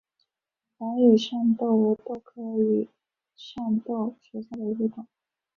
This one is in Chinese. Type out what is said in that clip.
白羽扇豆为豆科羽扇豆属下的一个种。